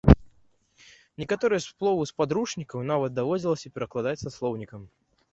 Некаторыя словы з падручнікаў нават даводзілася перакладаць са слоўнікам.